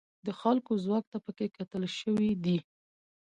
د خلکو ځواک ته پکې کتل شوي دي.